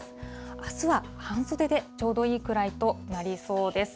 あすは半袖でちょうどいいくらいとなりそうです。